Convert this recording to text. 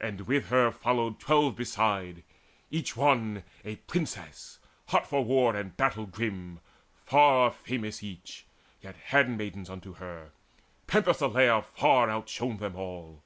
And with her followed twelve beside, each one A princess, hot for war and battle grim, Far famous each, yet handmaids unto her: Penthesileia far outshone them all.